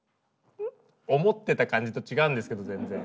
思ってた感じと違うんですけどぜんぜん。